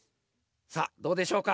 さあどうでしょうか？